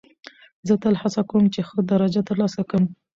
زه تل هڅه کوم، چي ښه درجه ترلاسه کم.